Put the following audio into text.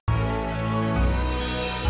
berubah menjadi setianya